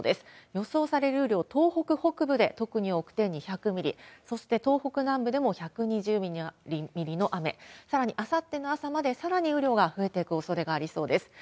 予想される雨量、東北北部で特に多くて２００ミリ、そして東北南部でも１２０ミリの雨、さらにあさっての朝までさらに雨量が増えていくおそれがありそうです。